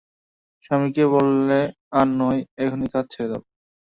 স্বামীকে বললে, আর নয়, এখনই কাজ ছেড়ে দাও।